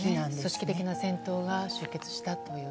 組織的な戦争が終結したという。